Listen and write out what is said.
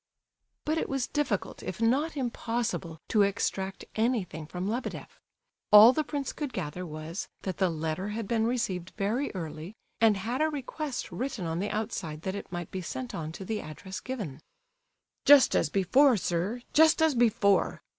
But it was difficult, if not impossible, to extract anything from Lebedeff. All the prince could gather was, that the letter had been received very early, and had a request written on the outside that it might be sent on to the address given. "Just as before, sir, just as before!